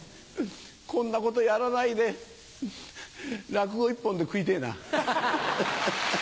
こんなことやらないで落語一本で食いてぇな。